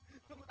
kita mau berdua